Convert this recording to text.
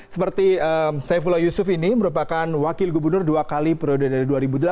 seperti saifullah yusuf ini merupakan wakil gubernur dua kali periode dari dua ribu delapan